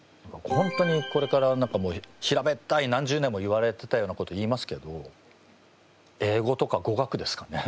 本当にこれから平べったい何十年も言われてたようなこと言いますけど英語とか語学ですかね？